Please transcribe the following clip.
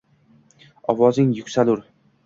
Ovozing yuksalur